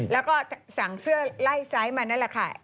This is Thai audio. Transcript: แล้วก็สั่งเสื้อไล่ไซส์มานั่นแหละค่ะ